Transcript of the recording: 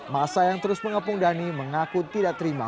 masa yang terus mengepung dhani mengaku tidak terima